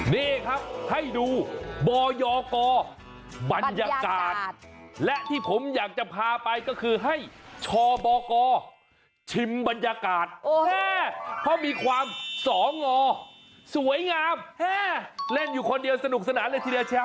นี่ครับให้ดูบยกบรรยากาศและที่ผมอยากจะพาไปก็คือให้ชบกชิมบรรยากาศเพราะมีความสองอสวยงามเล่นอยู่คนเดียวสนุกสนานเลยทีเดียวเชียว